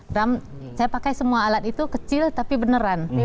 bram saya pakai semua alat itu kecil tapi beneran